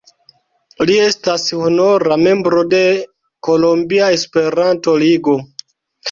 Li estas honora membro de Kolombia Esperanto-Ligo.